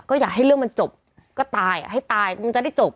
ก็อยากให้เรื่องมันจบก็ตายอ่ะให้ตายมันจะได้จบ